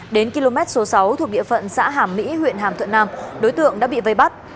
đến km số sáu thuộc địa phận xã hàm mỹ huyện hàm thuận nam đối tượng đã bị vây bắt